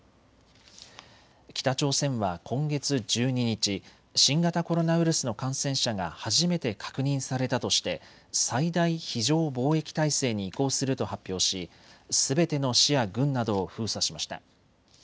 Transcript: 北朝鮮は今月１２日、新型コロナウイルスの感染者が初めて確認されたとして最大非常防疫態勢に移行すると発表しすべての市や郡などを封鎖しました。